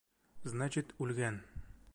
Значит, үлгән!